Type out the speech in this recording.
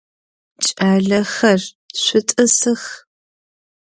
Кӏалэхэр, шъутӏысых!